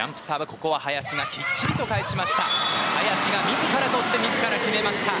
林が自らとって自ら決めました。